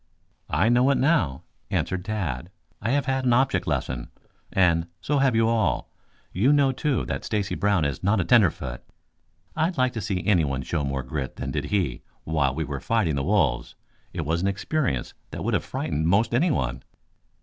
"I know it now," answered Tad. "I have had an object lesson. And so have you all. You know, too, that Stacy Brown is not a tenderfoot. I'd like to see anyone show more grit than did he while we were fighting the wolves. It was an experience that would have frightened most anyone."